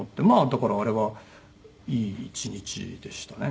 だからあれはいい１日でしたね